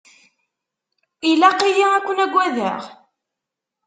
Ilaq-iyi ad ken-agadeɣ?